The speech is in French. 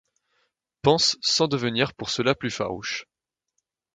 Pensent, sans devenir pour cela plus farouches